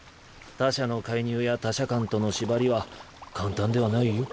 他者の介入や他者間との縛りは簡単ではないよ。